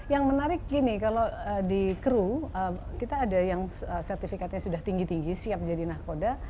yang menarik gini kalau di kru kita ada yang sertifikatnya sudah tinggi tinggi siap jadi nahkoda